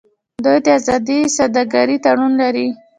دوی د ازادې سوداګرۍ تړون لري.